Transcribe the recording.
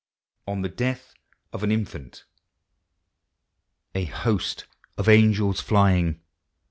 ON THE DEATH OF AN INFANT. A host of angels living.